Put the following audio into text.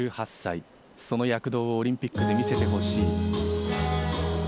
１８歳、その躍動をオリンピックで見せてほしい。